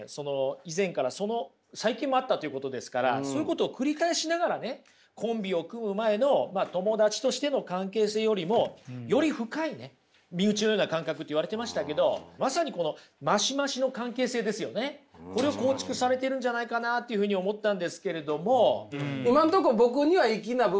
以前から最近もあったということですからそういうことを繰り返しながらねコンビを組む前の友達としての関係性よりもより深いね「身内のような感覚」って言われてましたけどまさにこれを構築されてるんじゃないかなというふうに思ったんですけれども。